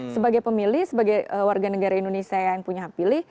sebagai pemilih sebagai warga negara indonesia yang punya hak pilih